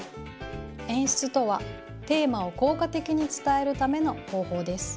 演出とはテーマを効果的に伝えるための方法です。